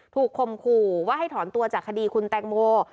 ถูกเคิมขู่ว่าให้ถอนตัวจากคดีคุณแต่งโมค์